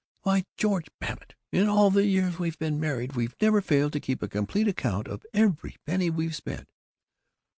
"Why, George Babbitt, in all the years we've been married we've never failed to keep a complete account of every penny we've spent!"